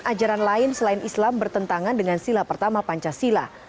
ajaran lain selain islam bertentangan dengan sila pertama pancasila